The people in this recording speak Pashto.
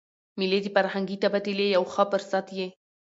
مېلې د فرهنګي تبادلې یو ښه فرصت يي.